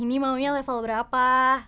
ini maunya level berapa